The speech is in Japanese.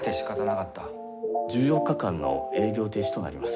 １４日間の営業停止となります。